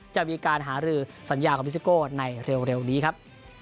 จะมีการหารือสัญญาของพิซิโก้ในเร็วนี้ครับ